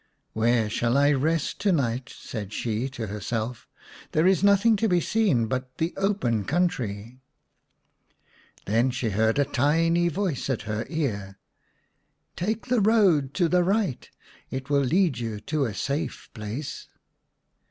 Where shall I rest to night ?" said she to herself. " There is nothing to be seen but the open country." Then she heard a tiny voice at her ear, "Take the road to the right; it will lead you to a safe place."